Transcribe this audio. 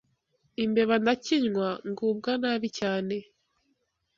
’imbeba ndakinywa ngubwa nabi cyane